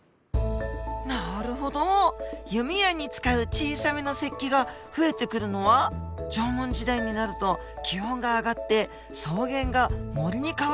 なるほど弓矢に使う小さめの石器が増えてくるのは縄文時代になると気温が上がって草原が森に変わってきた。